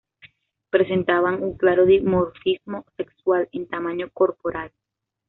Presentaban un claro dimorfismo sexual en tamaño corporal.